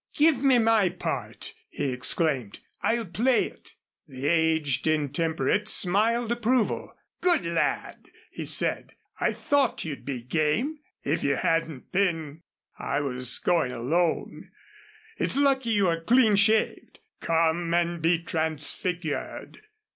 "Give me my part!" he exclaimed. "I'll play it!" The aged intemperate smiled approval. "Good lad!" he said. "I thought you'd be game. If you hadn't been I was going alone. It's lucky you're clean shaved. Come and be transfigured."